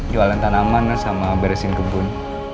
jualan tanaman sama beresin kebun